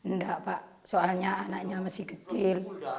enggak pak soalnya anaknya masih kecil